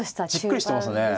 じっくりしてますね。